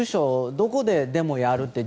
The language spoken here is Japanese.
どこででもやるっていう。